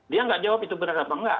dia nggak jawab itu bener apa nggak